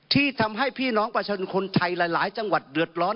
ที่ทำให้พี่น้องประชาชนคนไทยหลายจังหวัดเดือดร้อน